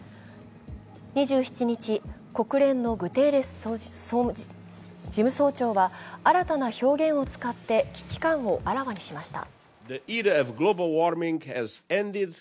２７日、国連のグテーレス事務総長は新たな表現を使って危機感をあらわにしました。